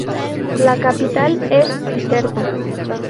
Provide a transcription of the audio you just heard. La capital es Bizerta.